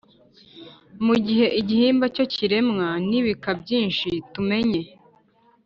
mu gihe igihimba cyo kiremwa n’ibika byinshi. Tumenye